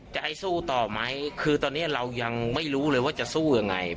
จะให้สู้ต่อไหมคือตอนนี้เรายังไม่รู้เลยว่าจะสู้ยังไง